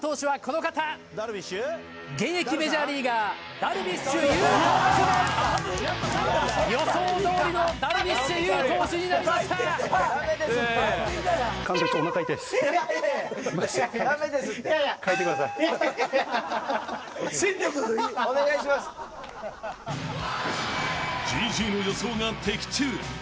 ［Ｇ．Ｇ．の予想が的中］